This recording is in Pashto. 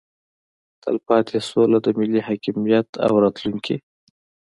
تلپاتې سوله د ملي حاکمیت او راتلونکي